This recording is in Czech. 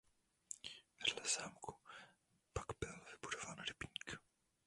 Vedle zámku pak byl vybudován rybník.